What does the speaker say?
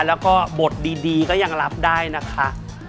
แล้วก็บทดีก็ยังรับได้นะคะ